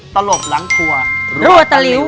ตลบหลังครัวรัวตะลิ้ว